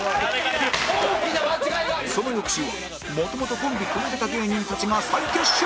その翌週は元々コンビ組んでた芸人たちが再結集